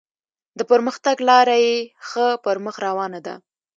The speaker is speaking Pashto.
د پرمختګ لاره یې ښه پر مخ روانه ده.